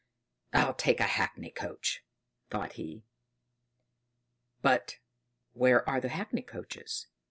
"I'll take a hackney coach!" thought he. But where were the hackney coaches?